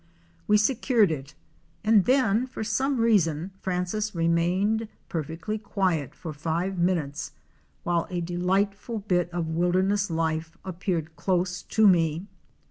We secured it and then for some reason Francis remained perfectly quiet for five minutes while a delightful bit of wilderness life appeared close to me.